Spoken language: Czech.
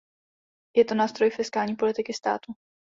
Je to nástroj fiskální politiky státu.